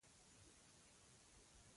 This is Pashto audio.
د ښوونځي نظم د زده کړې د بریا اساس و.